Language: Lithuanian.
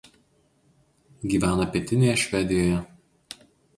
Gyvena pietinėje Švedijoje.